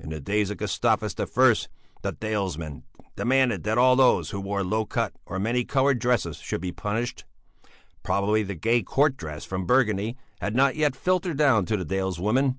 In the days of Gustavus I the dalesmen demanded that all those who wore low cut or many coloured dresses should be punished. Probably the gay court dress from Burgundy had not yet filtered down to the daleswomen.